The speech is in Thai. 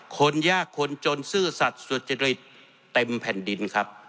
คนยากคนจนซื่อสัตว์สุจริตเต็มแผ่นดินครับ